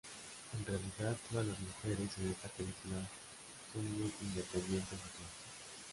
En realidad, todas las mujeres en esta película son muy independientes y fuertes.